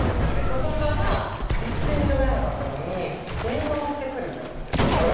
そこから全然しゃべらなかったのに電話をしてくるようにあらっ